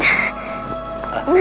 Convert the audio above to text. ia pergi aja